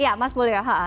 iya mas boleh ya